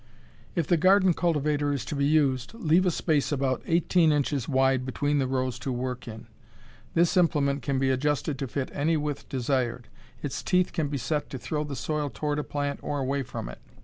If the garden cultivator is to be used, leave a space about eighteen inches wide between the rows to work in. This implement can be adjusted to fit any width desired. Its teeth can be set to throw the soil toward a plant or away from it.